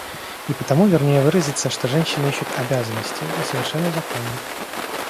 И потому вернее выразиться, что женщины ищут обязанностей, и совершенно законно.